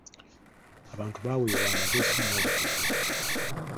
Abantu baawebwa amagezi n'obukugu.